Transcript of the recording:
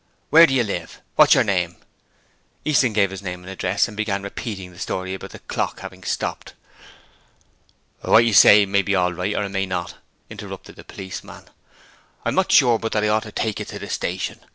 Where do you live? What's your name?' Easton gave his name and address and began repeating the story about the clock having stopped. 'What you say may be all right or it may not,' interrupted the policeman. 'I'm not sure but that I ought to take you to the station.